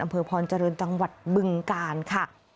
อำเภอพรเจริญจังหวัดบึงกาลค่ะ